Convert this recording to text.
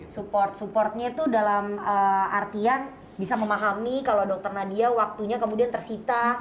support supportnya itu dalam artian bisa memahami kalau dokter nadia waktunya kemudian tersita